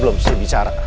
belum saya bicara